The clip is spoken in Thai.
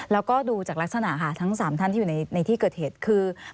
แล้วก็ดูจากลักษณะค่ะทั้ง๓ท่านที่อยู่ในที่เกิดเหตุคือ